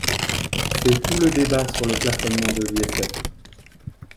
C’est tout le débat sur le plafonnement de l’ISF.